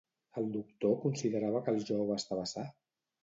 El doctor considerava que el jove estava sa?